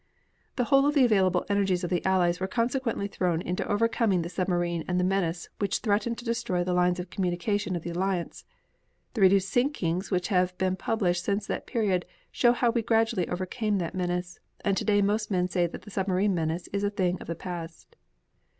The whole of the available energies of the Allies were consequently thrown into overcoming the submarine and the menace which threatened to destroy the lines of communication of the Alliance. The reduced sinkings which have been published since that period show how we gradually overcame that menace and today most men say that the submarine menace is a thing of the past.